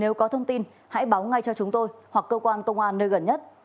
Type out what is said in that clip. nếu có thông tin hãy báo ngay cho chúng tôi hoặc cơ quan công an nơi gần nhất